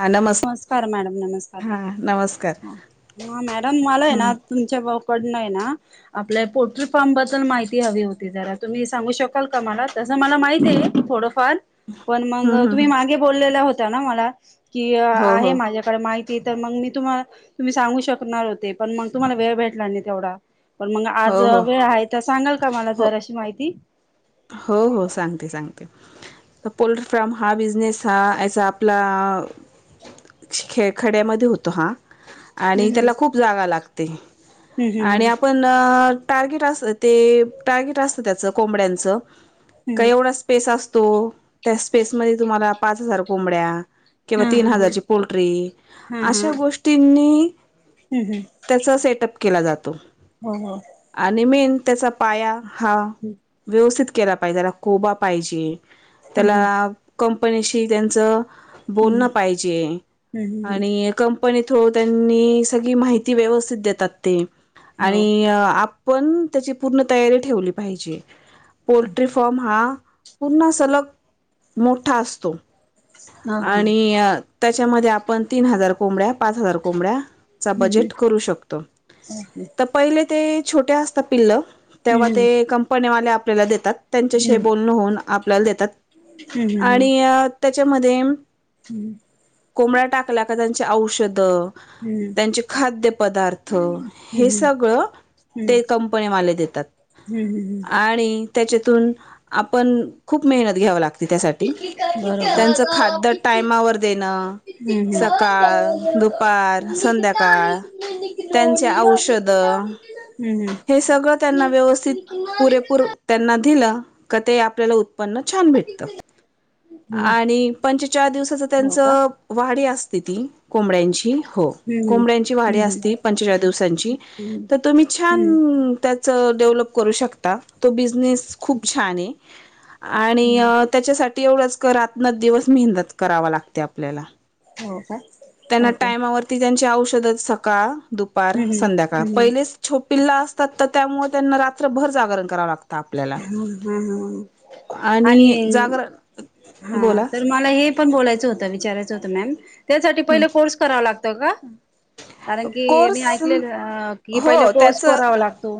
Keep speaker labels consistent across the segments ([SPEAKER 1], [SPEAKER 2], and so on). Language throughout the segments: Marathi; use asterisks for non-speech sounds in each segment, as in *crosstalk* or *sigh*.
[SPEAKER 1] हा नमस्
[SPEAKER 2] नमस्कार मॅडम, नमस्कार
[SPEAKER 1] हा नमस्कार
[SPEAKER 2] हा मॅडम मला आहे
[SPEAKER 1] हम्म
[SPEAKER 2] ना तुमच्या भाऊकडन आहे ना आपल्या पोल्ट्री फार्म बद्दल माहिती हवी होती जरा तुम्ही सांगू शकाल का मला तसं मला माहिती आहे. थोडंफार पण मग
[SPEAKER 1] हम्म हम्म
[SPEAKER 2] तुम्ही
[SPEAKER 1] हम्म.
[SPEAKER 2] मागे बोललेला होता ना मला की
[SPEAKER 1] हो हो
[SPEAKER 2] आहे माझ्या डे माहिती तर मग मी तु्हा तुम्ही सांगू शकणार होते पण मग तुम्हाला वेळ भेटला नाही तेवढा. पण मग आज
[SPEAKER 1] हो हो
[SPEAKER 2] वेळ आहे तर सांगाल का मला
[SPEAKER 1] हो
[SPEAKER 2] जरा अशी माहिती?
[SPEAKER 1] हो हो सांगते सांगते. पोल्ट्री फार्म हा बिझनेस हा याचा आपला खे खड्यामध्ये होतो हा. आणि
[SPEAKER 2] हम्म
[SPEAKER 1] त्याला खूप जागा लागते आणि
[SPEAKER 2] हम्म
[SPEAKER 1] आपण प टार्गेट अस ते टार्गेट असत त्याच कोंबड्यांच का
[SPEAKER 2] हम्म
[SPEAKER 1] एवढं स्पेस असतो त्या स्पेसमध्ये तुम्हाला पाच हजार कोंबड्या. किंवा तीन
[SPEAKER 2] हम्म
[SPEAKER 1] हजारची पोल्ट्री अशा गोष्टींनी
[SPEAKER 2] हम् हम्.
[SPEAKER 1] त्याचा सेटअप केला जातो.
[SPEAKER 2] हो हो.
[SPEAKER 1] आणि मेन त्याचा पाया हा.
[SPEAKER 2] हम्.
[SPEAKER 1] व्यवस्थित केला पाहिजे त्याला कोबा पाहिजे
[SPEAKER 2] हम्म
[SPEAKER 1] त्याला कंपनीशी त्यांचं
[SPEAKER 2] हम्म
[SPEAKER 1] बोलणं पाहिजे आणि
[SPEAKER 2] हो
[SPEAKER 1] एक कंपनी थ्रू त्यांनी सगळी माहिती व्यवस्थित देतात ते आणि आप पण त्याची पूर्ण तयारी ठेवली पाहिजे पोल्ट्री फारम हा. पूर्ण सलग मोठा असतो
[SPEAKER 2] का
[SPEAKER 1] आणि त्याच्यामध्ये आपण तीन हजार कोंबड्या, पाच हजार कोंबड्या.
[SPEAKER 2] हम्म
[SPEAKER 1] बजेट करू शकतो.
[SPEAKER 2] हम्म
[SPEAKER 1] पहिले ते छोटे असतात जेव्हा ते कंपनीवाले आपल्याला देतात. त्यांच्याशी
[SPEAKER 2] हम्म
[SPEAKER 1] बोलण होऊन आपल्याला देतात
[SPEAKER 2] हम्म
[SPEAKER 1] आणि त्यांच्यामध्ये
[SPEAKER 2] हम्म.
[SPEAKER 1] कोंबड्या टाकला का त्यांचे औषधं त्यांचे खाद्य पदार्थ हे सगळं ते कंपनीवाले देतात.
[SPEAKER 2] हम् हम हम.
[SPEAKER 1] आणि त्याच्यातून आपण खूप मेहनत घ्याव लागतो. तिच्यासाठी त्याचं खात टायमावर देणं, सकाळ दुपार, संध्याकाळ त्यांचे औषधं
[SPEAKER 2] हम्म
[SPEAKER 1] हे सगळं त्यांना व्यवस्थित पुरेपूर त्यांना दिलं का ते आपल्याला उत्पन्न छान भेटत आणि पंच्चेचाळ दिवसाचं त्यांच वाडी असते ती कोंबड्यांची. हो कोंबड्यांची वाढी असते पंच्चेचाळ दिवसांची, तर तुम्ही छान च डेव्हलप करू शकता तो बिझनेस खूप छान आहे. आणि त्यांच्यासाठी एवढंच कर रात्रतन दिवस मेहनत करावा लागते आपल्याला.
[SPEAKER 2] हो का
[SPEAKER 1] त्यांना
[SPEAKER 2] ओके
[SPEAKER 1] टायमावरती त्यांची औषधं सकाळ, दु पार
[SPEAKER 2] हम्म
[SPEAKER 1] संध्याकाळ
[SPEAKER 2] हम्म हम्म
[SPEAKER 1] पहिलेच छोपिला असतात तर त्यामुळे त्यांना रात्रभर जागरण करावं लागतं. आपल्याला,
[SPEAKER 2] हा हा हा
[SPEAKER 1] आणि जागरण
[SPEAKER 2] हा
[SPEAKER 1] बोला
[SPEAKER 2] तर मला हे पण बोलायचं होत विचारयचं होतं मॅम त्यासाठी
[SPEAKER 1] हं
[SPEAKER 2] पहिले कोर्स करावा लागतो का? कारण की मी
[SPEAKER 1] कोर्स
[SPEAKER 2] ऐकले की पहिला
[SPEAKER 1] हो
[SPEAKER 2] कोर्स
[SPEAKER 1] त्याच
[SPEAKER 2] करावा लागतो.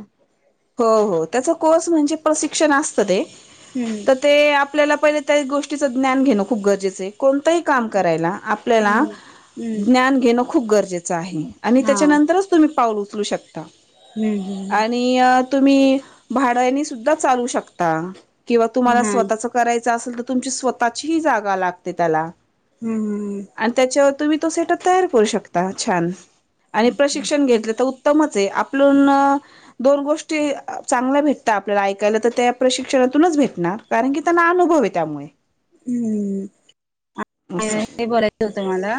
[SPEAKER 1] हो हो त्यांचा कोर्स म्हणजे प्रशिक्षण असतं ते.
[SPEAKER 2] हम्म.
[SPEAKER 1] तर ते आपल्याला पहिले त्या गोष्टीचं ज्ञान घेणं खूप गरजेचं आहे. कोणतही काम करायला आपल्याला
[SPEAKER 2] हम्म हम्म
[SPEAKER 1] ज्ञान घेणं खूप गरजेचं आहे आणि
[SPEAKER 2] हा
[SPEAKER 1] त्याच्यानंतरच तुम्ही पाऊल उचलू शकता.
[SPEAKER 2] हम् हम्.
[SPEAKER 1] तुम्ही भाड्याने सुध्दा चालवू शकता किंवा तुम्हाला
[SPEAKER 2] हा
[SPEAKER 1] स्वतःच करायच असेल तर तुमची स्वतःची ही जागा लागते त्याला.
[SPEAKER 2] हम्म हम्म.
[SPEAKER 1] आणि त्यांच्यावर तुम्ही तो सेटअप तयार करू शकता छान आणि प्रशिक्षण घेतलं तर मच आहे आपलूण दोन गोष्टी चांगल्या भेटत आपल्याला ऐकायला तर ते प्रशी शिक्षणातूनच भेटणार कारण की त्यांना अनुभव आहे त्यामुळे.
[SPEAKER 2] हम्म.
[SPEAKER 1] असं
[SPEAKER 2] हे बोलायचं होत मला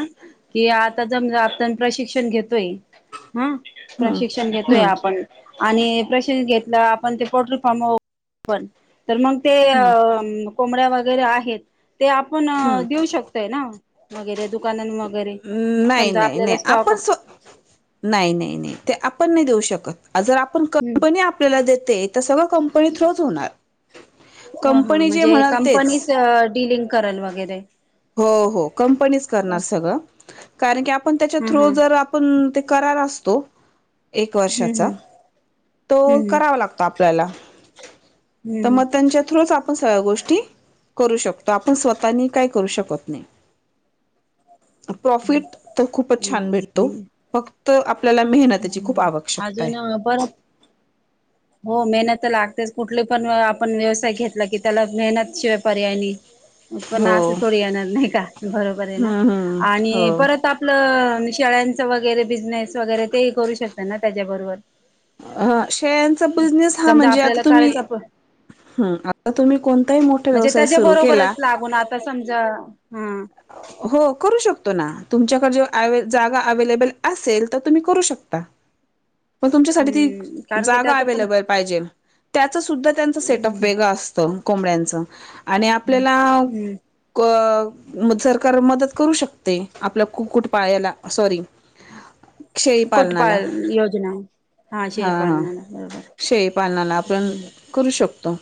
[SPEAKER 2] कि आता जमलं आपण प्रशिक्षण घेतोय हम्म
[SPEAKER 1] हम्म
[SPEAKER 2] प्रशिक्षण घेतोय
[SPEAKER 1] हम्म
[SPEAKER 2] आपण आणि प्रशिक्षण घेतल आपण ते पोल्ट्री फार्म पण तर मग ते अ
[SPEAKER 1] हम्म
[SPEAKER 2] कोंबड्या वगैरे आहेत. ते आपण
[SPEAKER 1] हम्म
[SPEAKER 2] देऊ शक तय ना, वगैरे दुकानां वगैरे,
[SPEAKER 1] नाही
[SPEAKER 2] समजा
[SPEAKER 1] नाही
[SPEAKER 2] आपल्याला
[SPEAKER 1] नाही आपण
[SPEAKER 2] स्टॉक
[SPEAKER 1] स्व नाही नाही नाही ते आपण नाही देऊ शकत जर आपण
[SPEAKER 2] ह
[SPEAKER 1] कंपनी आपल्याला देते तर सगळं कं कंपनी थ्रूच होणार, कंपनी जे म्हणाल तेच.
[SPEAKER 2] डीललिंग. करल वगैरे.
[SPEAKER 1] हो हो कंपनीच
[SPEAKER 2] ह
[SPEAKER 1] करणार
[SPEAKER 2] ह
[SPEAKER 1] सगळं, कारण की आपण त्याच्या थ्रो
[SPEAKER 2] हम्म
[SPEAKER 1] जर पण ते करार असतो. एक वर्षाचा,
[SPEAKER 2] हम्म
[SPEAKER 1] तो
[SPEAKER 2] हम्म
[SPEAKER 1] करावा लागतो आपल्याला. *unintelligible*
[SPEAKER 2] हम्म
[SPEAKER 1] त्यांच्या थ्रूच आपण सगळ्या गोष्ट *unintelligible* करू शकतो आपण स्वतःनी काय करू शकत नाही. प्रॉफिट तर खूपच छान भेटतो. फक्त आपल्याला मेहनतीची खूप आवश्यकता आहे.
[SPEAKER 2] हा परत हो मेहनत तर लागतेच कुठले पण आपण व्यवसाय घेतला की त्याला मेहनत शिवाय पर्याय नाही, पण अस
[SPEAKER 1] हो.
[SPEAKER 2] थोडी येणार नाही का बरोबर आहे ना
[SPEAKER 1] हम्म हम्म
[SPEAKER 2] आणि
[SPEAKER 1] हो
[SPEAKER 2] परत आपलं शेळ्यांचं वगैरे बिझनेस वगैरे तेही करू शकत ना त्याच्याबरोबर.
[SPEAKER 1] अ शेळ्यांचा बिझनेस हा
[SPEAKER 2] समजा
[SPEAKER 1] म्हणजे
[SPEAKER 2] आपल्याला
[SPEAKER 1] आता तुम्ही
[SPEAKER 2] करायचा प
[SPEAKER 1] हूं आता तुम्ही कोणताही मोठा
[SPEAKER 2] म्हणजे
[SPEAKER 1] व्यवसाय
[SPEAKER 2] त्याच्या
[SPEAKER 1] सुरु केला.
[SPEAKER 2] बरोबरच लागून आता समजा हूं!
[SPEAKER 1] हो करू शकतो ना तुमच्याकडे जे जागा अवेलेबल असेल त तुम्ही करू शकता.
[SPEAKER 2] *inaudible*
[SPEAKER 1] मग तुमच्यासाठी ती
[SPEAKER 2] हम्म कारण की
[SPEAKER 1] जागा
[SPEAKER 2] त्याच पण
[SPEAKER 1] अवेलेबल पाहिजे. त्याचं सुद्धा त्यांचं सेटअप वेगळं असतं कोंबड्यांचं आणि आपल्याला
[SPEAKER 2] हम्म
[SPEAKER 1] कोअ म सरकार मदत करू शकते आपल्या कुकुट पायाला सॉरी शेळी
[SPEAKER 2] कुक्कुट
[SPEAKER 1] पालनाला
[SPEAKER 2] पाळ योजना.
[SPEAKER 1] हा हा
[SPEAKER 2] शेळीपालनाला बरोबर
[SPEAKER 1] शेळी पालनाला आपण करू शकतो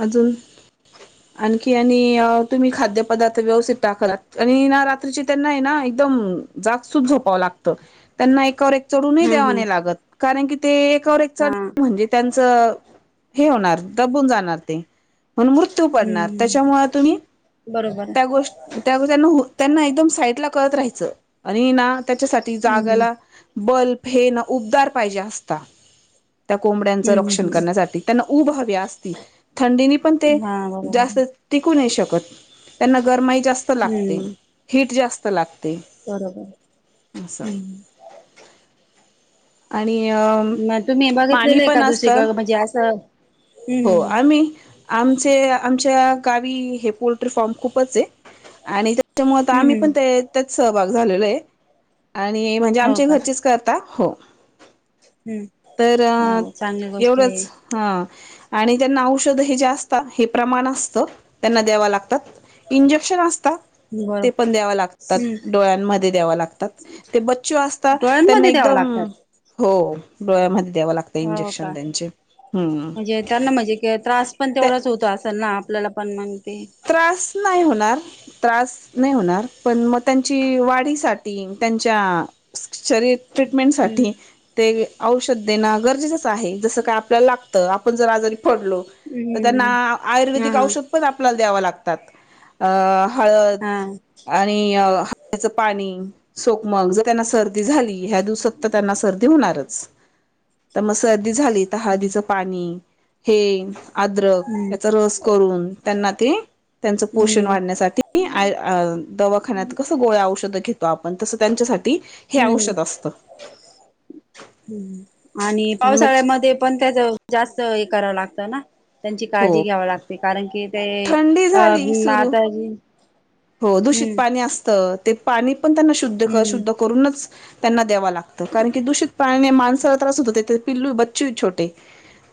[SPEAKER 1] अजून आणखी आणि तुम्ही खाद्य पदार्थ व्यवस्थित टाकला, आणि ना रात्रीचे त्यांना आहे ना एकदम जागसूत झोपावं लागत. त्यांना एकावर एक चढूनही
[SPEAKER 2] हम्म हम्म
[SPEAKER 1] देवाने लागत कारण की ते एकावर एक चढ
[SPEAKER 2] हा
[SPEAKER 1] म्हणजे. त्यांचं हे होणार दबून जाणार ते. म्हणून मृत्यू पडणार
[SPEAKER 2] हम्म
[SPEAKER 1] त्याच्यामुळे तुम्ही
[SPEAKER 2] बरोबर. आहे
[SPEAKER 1] होश त्याआगोद त्यांना त्यांना एकदम साईट ला करत राहायचं आणी नां त्याचा साठ ती
[SPEAKER 2] हम्म
[SPEAKER 1] जागाला बल्ब हे ना उबदार पाहिजे असता. त्या कोंबड्यांचं
[SPEAKER 2] हम्म हम्म हम्म
[SPEAKER 1] रक्षण
[SPEAKER 2] हम्म
[SPEAKER 1] करण्यासाठी त्यांना ऊब हवी असती. थंडीनी पण ते
[SPEAKER 2] हा बरोबर
[SPEAKER 1] जास्त टिकू नाही शकत त्यांना गरमाई जास्त लागते,
[SPEAKER 2] हम्म
[SPEAKER 1] हीट जास्त लाग
[SPEAKER 2] बरोबर हूं!
[SPEAKER 1] आणि अ
[SPEAKER 2] मग तुम्ही
[SPEAKER 1] पाणी
[SPEAKER 2] बघितलेलं आहे का
[SPEAKER 1] पण असत.
[SPEAKER 2] दुसरीकडे म्हणजे असं
[SPEAKER 1] हो
[SPEAKER 2] हम्म
[SPEAKER 1] आम्ही. आमचे आमच्या गावी हे पोल्ट्री फार्म खूपच हे आणि त्याच्यामुळ त
[SPEAKER 2] हम्म
[SPEAKER 1] आम्ही
[SPEAKER 2] हम्म
[SPEAKER 1] पण ते
[SPEAKER 2] हम्म
[SPEAKER 1] त्यात सहभाग झालेलो हे आणि म्हणजे आमच्या घरचेच कर ता हो.
[SPEAKER 2] हूं
[SPEAKER 1] तर
[SPEAKER 2] हो चांगली गोष्ट हे.
[SPEAKER 1] एवढंच हा आणि त्यांना औषध हे जे असता हे प्रमाण असतं त्यांना द्याव लाग त इंजेक्शन असतात
[SPEAKER 2] बरोबर
[SPEAKER 1] ते पण द्याव लागतात,
[SPEAKER 2] हम्म
[SPEAKER 1] डोळ्यांमध्ये द्याव लागतात. ते बच्चू असता त्यांना
[SPEAKER 2] डोळ्यांमध्ये द्याव
[SPEAKER 1] एकदम
[SPEAKER 2] लागतात
[SPEAKER 1] हो डोळ्यामध्ये द्याव लागत.
[SPEAKER 2] हो का म्हणजे त्यांना म्हणजे के त्रास पण
[SPEAKER 1] त्या
[SPEAKER 2] तेवढाच होतो असेल ना आपल्याला पण मंगते
[SPEAKER 1] त्रास नाही होणार. त्रास नाही होणार पण म त्यांची वाढीसाठी त्यांच्या शरीर ट्रीटमेंट
[SPEAKER 2] हम्म
[SPEAKER 1] साठी. ते औषध देणं गरजेचंचं आहे जसं काय आपल्याला लागतं, आपण जर आजारी पडलो. तर त्यांना
[SPEAKER 2] हम्म हा
[SPEAKER 1] आयुर्वेदिक
[SPEAKER 2] हा
[SPEAKER 1] औषध पण आपल्याला देवा लागतात अ हळद
[SPEAKER 2] हा
[SPEAKER 1] आणी णि हत्याच पाणी. सोकमग जर त्यांना सर्दी झाली ह्या दिवसात तर त्यांना सर्दी होणारच. त मग सर्दी झाली तर हळदीचं पाणी हे आद्रक
[SPEAKER 2] हम्म
[SPEAKER 1] याचा रस करून त्यांना ते त्यांचं पोषण
[SPEAKER 2] हम्म
[SPEAKER 1] वाढ न्यासाठी दवाखान्यात कस गोळ्या औषध घेतो आपण तस त्यांच्यासाठी हे
[SPEAKER 2] हूं
[SPEAKER 1] औषध असतं
[SPEAKER 2] आणि पावसाळ्यामध्ये पण त्याच. जास्त हे करावं लागतं ना त्यांची काळजी
[SPEAKER 1] हो
[SPEAKER 2] घ्यावी लागते कारण की ते
[SPEAKER 1] थंडी
[SPEAKER 2] अ
[SPEAKER 1] झाली
[SPEAKER 2] म
[SPEAKER 1] सुरू
[SPEAKER 2] मात जी.
[SPEAKER 1] हो दूषित पाणी असतं ते पाणी पण त्यांना शुद्ध
[SPEAKER 2] हम्म
[SPEAKER 1] शुद्ध करूनच त्यांना द्याव लागतं कारण की दूषित पाण्याने माणसाला त्रास होतो ते त पिल्लू य बच्चू य छोटे.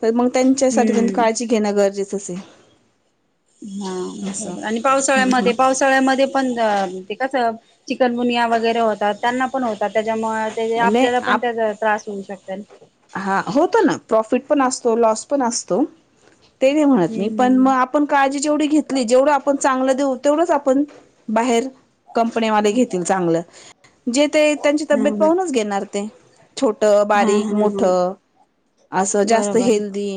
[SPEAKER 1] तर मग त्यांच्यासाठी त्यांची
[SPEAKER 2] हम्म
[SPEAKER 1] काळजी घेणं गरजेचं असे
[SPEAKER 2] हा आणि पावसाळ्यामध्ये पावसाळ्यामध्ये पण ते कस चिकनबुनिया वगैरे होतात त्यांना पण होतात त्याच्यामुळे
[SPEAKER 1] हम्म नाही
[SPEAKER 2] आपल्याला पण
[SPEAKER 1] आप
[SPEAKER 2] त्या त्रास होऊ शकतो त्यां
[SPEAKER 1] हा होत ना प्रॉफिट पण असतो, लॉस पण असतो, ते नाही म्हणत मी पण म
[SPEAKER 2] हम्म
[SPEAKER 1] आप आपण काळजी जेवढी घेतली जेवढं आपण चांगलं देऊ, तेवढंच आपण बाहेर. कंपनीवाले घेतील चांगलं जे ते त्यांची तब्येत
[SPEAKER 2] हम्म
[SPEAKER 1] पाहूनच घेणार ते. छोट
[SPEAKER 2] हा
[SPEAKER 1] बारीक
[SPEAKER 2] हा हा
[SPEAKER 1] मोठ
[SPEAKER 2] हा
[SPEAKER 1] असं जास्त
[SPEAKER 2] बरोबर
[SPEAKER 1] हेल्दी.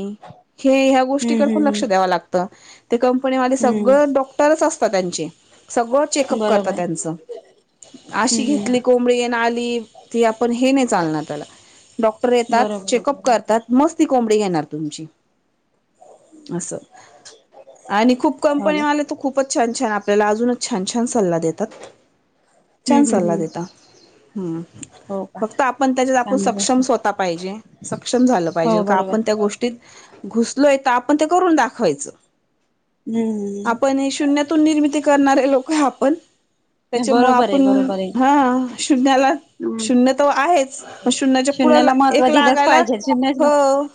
[SPEAKER 1] हे ह्या
[SPEAKER 2] हम्म
[SPEAKER 1] गोष्टीकडे पण
[SPEAKER 2] हम्म
[SPEAKER 1] लक्ष द्याव लागतं ते कंपनीवाले
[SPEAKER 2] हम्म
[SPEAKER 1] सगळं डॉक्टरच असत त्यांचे सगळं
[SPEAKER 2] हम्म
[SPEAKER 1] चेकअप करत
[SPEAKER 2] बरोबर
[SPEAKER 1] त्यांचं
[SPEAKER 2] हम्म
[SPEAKER 1] अशी घेतली
[SPEAKER 2] हम्म
[SPEAKER 1] कोंबडी ये ना आली ती आपण हे नाही चालणार त्याला डॉक्टर येतात
[SPEAKER 2] बरोबर
[SPEAKER 1] चेकअप
[SPEAKER 2] बरोबर
[SPEAKER 1] करतात मस्ती कोंबडी घेणार तुमची अस आणि खूप
[SPEAKER 2] हो
[SPEAKER 1] कंपनी
[SPEAKER 2] ना
[SPEAKER 1] आले तर खूप खूपच छान छान आपल्याला अजूनच छान छान सल्ला देतात छान
[SPEAKER 2] हम्म हम्म
[SPEAKER 1] सल्ला
[SPEAKER 2] हम्म
[SPEAKER 1] दता हम्म
[SPEAKER 2] हो का
[SPEAKER 1] फक्त आपण त्याच्यात आपण सक्षम
[SPEAKER 2] चांगलं
[SPEAKER 1] स्वतः पाहिजे सक्षम झालं पाहिजे
[SPEAKER 2] हो
[SPEAKER 1] का
[SPEAKER 2] बरोबर
[SPEAKER 1] आपण त्या गोष्टी लोय आपण करून दाखवायच
[SPEAKER 2] हम्म
[SPEAKER 1] आपण शून निर्मिती करणारे लोक ह आपण त्याच्यामु
[SPEAKER 2] बरोबर आहे
[SPEAKER 1] आपण
[SPEAKER 2] बरोबर आहे
[SPEAKER 1] हा श्याला
[SPEAKER 2] हम्म
[SPEAKER 1] शून्य तर आहेच प शून्याच्या पुढे
[SPEAKER 2] शून्याला महत्त्व
[SPEAKER 1] एक लाख
[SPEAKER 2] दिलंच पाहिजे शून्य
[SPEAKER 1] हो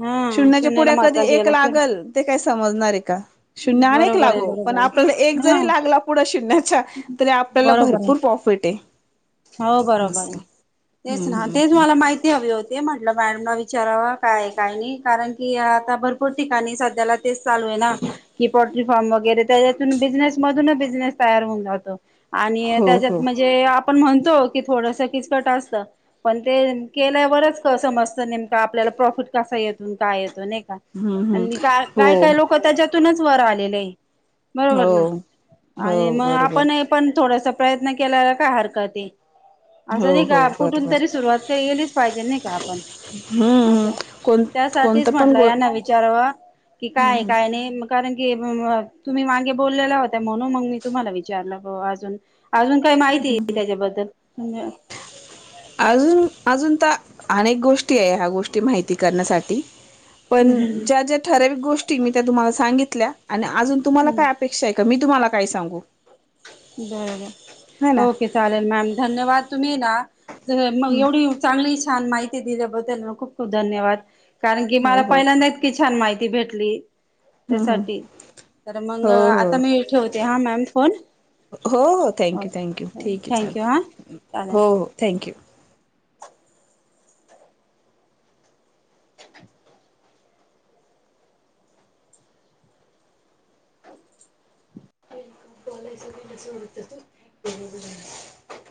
[SPEAKER 2] हा
[SPEAKER 1] शच्या
[SPEAKER 2] शून्याला
[SPEAKER 1] पुढ्या कधी
[SPEAKER 2] महत्त्व
[SPEAKER 1] एक
[SPEAKER 2] दिलं
[SPEAKER 1] लागत का समजणार आहे का शून अ
[SPEAKER 2] बरोबर आहे
[SPEAKER 1] लागो पण
[SPEAKER 2] बरोबर
[SPEAKER 1] आपल्याला एक
[SPEAKER 2] आहे हा
[SPEAKER 1] जरी लाग पुड शिण्याचा तरी आपल्याला
[SPEAKER 2] बरोबर
[SPEAKER 1] भरपूर
[SPEAKER 2] आहे
[SPEAKER 1] प्रॉफिट आहे
[SPEAKER 2] हो बरोबर
[SPEAKER 1] अस
[SPEAKER 2] आहे तेच
[SPEAKER 1] हम्म
[SPEAKER 2] ना
[SPEAKER 1] हम्म
[SPEAKER 2] तेच मला माहिती हवी होती ते म्हटलं मॅडम न विचाराव काय काही नाही कारण की आता भरपूर ठिकाणी सध्याला तेच चालू आहे ना कि पोल्ट्री फार्म वगैरे त्याच्यातून बिझनेस मधूनच बिझनेस तयार होऊन जातो आणि
[SPEAKER 1] हो हो
[SPEAKER 2] त्याच्यात म्हणजे आपण म्हणतो की थोडस किचकट असत पण ते केल्यावरच क समजतं नेमकं आपल्याला प्रॉफिट कसा येतून काय येतो नाही का
[SPEAKER 1] हम्म हम्म
[SPEAKER 2] आणि का
[SPEAKER 1] हो
[SPEAKER 2] काय काय लोक त्याच्यातूनच वर आलेले बरोबर ना
[SPEAKER 1] हो
[SPEAKER 2] आणि
[SPEAKER 1] हो
[SPEAKER 2] मग
[SPEAKER 1] बरोबर
[SPEAKER 2] आपण हे पण थोडस प्रयत्न केल्याला काय हरकत आहे असं
[SPEAKER 1] हो
[SPEAKER 2] नाही
[SPEAKER 1] हो
[SPEAKER 2] का कुठून
[SPEAKER 1] बरोबर
[SPEAKER 2] तरी सुरुवात केलीच पाहिजे नाही का आपण
[SPEAKER 1] हम्म हम्
[SPEAKER 2] असं
[SPEAKER 1] कोण कोणतं
[SPEAKER 2] त्यासाठीच
[SPEAKER 1] पण
[SPEAKER 2] म्हटलं
[SPEAKER 1] गो
[SPEAKER 2] यांना विचारवं कि काय
[SPEAKER 1] हम्म
[SPEAKER 2] काय नाही कारण की तुम्ही माांगे बोललेल्या होत्या म्हणून मग मी तुम्हाला विचारलं अजून अजून काही माहिती
[SPEAKER 1] हम्म
[SPEAKER 2] आहे त्याच्याबद्दल
[SPEAKER 1] अजून अजून तर अनेक गोष्टी आहे ह्या गोष्टी माहिती करण्यासाठी पण ज्या ज्या ठराविक गोष्टी मी त्या तुम्हाला सांगितल्या आणि अजून तुम्हाला
[SPEAKER 2] हम्म
[SPEAKER 1] काय अपेक्षा आहे मी तुम्हाला काय सांगू है
[SPEAKER 2] बरोबर
[SPEAKER 1] ना
[SPEAKER 2] ओके चालेल मॅम धन्यवाद तुम्ही ना मग
[SPEAKER 1] हं,
[SPEAKER 2] एवढी चांगली छान माहिती दिल्याबद्दल खूप खूप धन्यवाद कारण की
[SPEAKER 1] हो
[SPEAKER 2] मला
[SPEAKER 1] हो
[SPEAKER 2] पहिल्यांदा इतकी छान माहिती भेटली
[SPEAKER 1] हं, हं.
[SPEAKER 2] त्यासाठी तर मग
[SPEAKER 1] हो
[SPEAKER 2] आता
[SPEAKER 1] हो
[SPEAKER 2] मी ठेवते हा मॅम फोन
[SPEAKER 1] हो हो थँक्यू थँक्यू
[SPEAKER 2] ओके
[SPEAKER 1] ठीक आहे
[SPEAKER 2] थँक्यू हां
[SPEAKER 1] चाले
[SPEAKER 2] चालेल
[SPEAKER 1] हो हो थँक यू क बला सगळ कसंत त